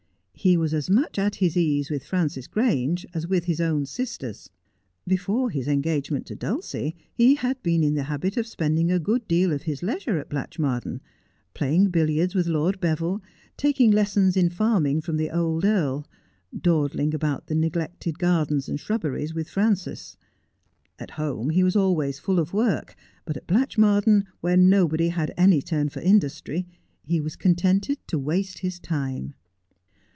He was as much at his ease with Frances Grange as with his own sisters. Before his engagement to Dulcie he had been in the habit of spending a good deal of his leisure at Blatchmardean, playing billiards with Lord Beville, taking les sons in farming from the old earl, dawdling about the neglected gardens and shrubberies with Frances. At home he was always full of work, but at Blatchmardean, where nobody had any turn for industry, he was contented to waste his time.